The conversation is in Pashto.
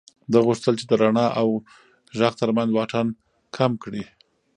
ده غوښتل چې د رڼا او غږ تر منځ واټن کم کړي.